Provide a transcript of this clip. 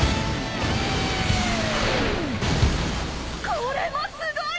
これもすごい！